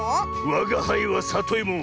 わがはいはさといも。